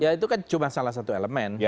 ya itu kan cuma salah satu elemen